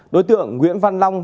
đối tượng nguyễn văn long